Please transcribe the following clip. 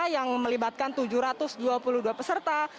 yang melibatkan tujuh ratus dua puluh dua peserta